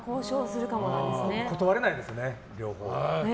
断れないですね、両方。